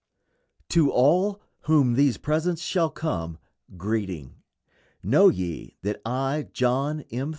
To all whom these presents shall come, greeting: Know ye, that I, John M.